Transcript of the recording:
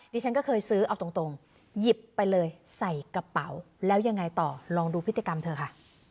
ฉันก็เคยซื้อเอาตรงหยิบไปเลยใส่กระเป๋าแล้วยังไงต่อลองดูพฤติกรรมเธอค่ะ